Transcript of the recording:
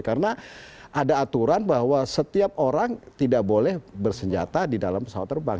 karena ada aturan bahwa setiap orang tidak boleh bersenjata di dalam pesawat terbang